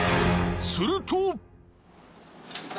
すると。